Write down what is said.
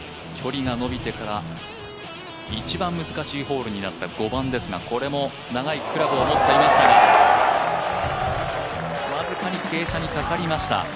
距離が伸びてから一番難しいホールとなった５番ですがこれも長いクラブを持っていましたが、僅かに傾斜にかかりました、